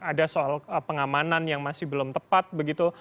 ada soal pengamanan yang masih belum tepat begitu